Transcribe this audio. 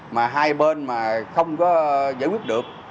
mà hai bên mà không có giải quyết được